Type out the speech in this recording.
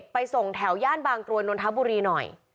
ไปส่งแถวย่านบางกรวยนนทบุรีหน่อย